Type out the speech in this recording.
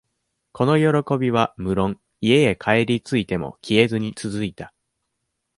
この喜びは、むろん、家へ帰り着いても消えずにつづいた。